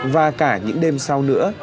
và cả những đêm sau nữa